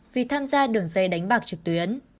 vì tham gia đường dây đánh bạc trực tuyến